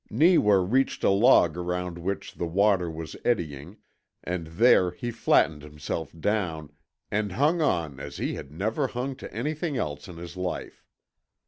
Neewa reached a log around which the water was eddying, and there he flattened himself down and hung on as he had never hung to anything else in his life.